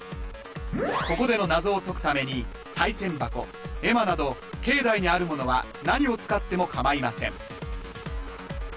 はいここでの謎を解くために賽銭箱絵馬など境内にある物は何を使ってもかまいません